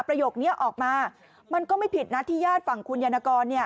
ประโยคนี้ออกมามันก็ไม่ผิดนะที่ญาติฝั่งคุณยานกร